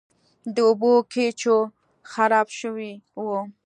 د اوبو کیچوا خراب شوی و.